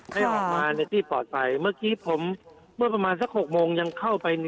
ให้ออกมาในที่ปลอดภัยเมื่อกี้ผมเมื่อประมาณสัก๖โมงยังเข้าไป